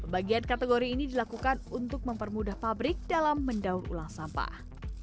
bagian kategori ini dilakukan untuk mempermudah pabrik dalam mendaur ulang sampah